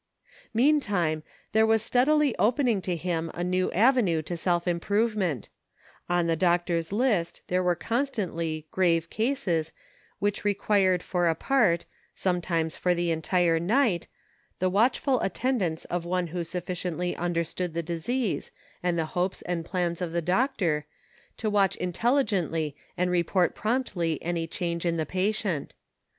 Meantime, there was steadily opening to him a new avenue to self improvement ; on the doctor's list there were constantly grave cases which re quired for a part, sometimes for the entire night, the watchful attendance of one who sufficiently understood the disease, and the hopes and plans of the doctor, to watch intelligently and report promptly any change in the patient.